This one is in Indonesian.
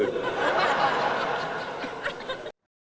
dan juga hitung bajuft internet yg se